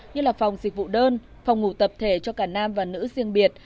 như là phòng dịch vụ đơn phòng ngủ tập thể cho cả nam và nữ riêng biệt